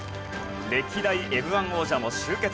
歴代Ｍ−１王者も集結。